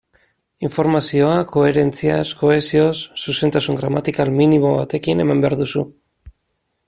Informazioa koherentziaz, kohesioz, zuzentasun gramatikal minimo batekin eman behar duzu.